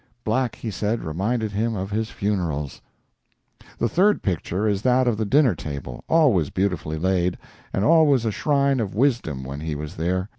Black, he said, reminded him of his funerals. The third picture is that of the dinner table always beautifully laid, and always a shrine of wisdom when he was there.